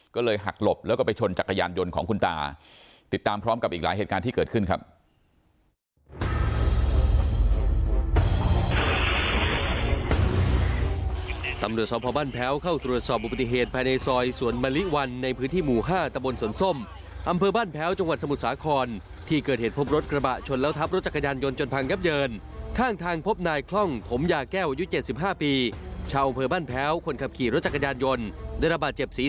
ก็เลยหักหลบแล้วก็ไปชนจักรยานยนต์ของคุณตาติดตามพร้อมกับอีกหลายเหตุการณ์ที่เกิดขึ้นครับ